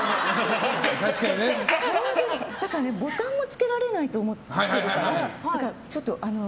ボタンもつけられないと思ってるから。